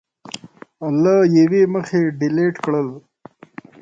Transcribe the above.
له یوې مخې ډیلېټ کړل